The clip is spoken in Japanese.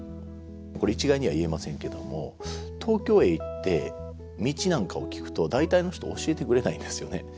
これ一概には言えませんけども東京へ行って道なんかを聞くと大体の人教えてくれないですよね。